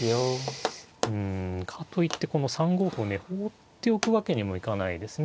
うんかといってこの３五歩をね放っておくわけにもいかないですね。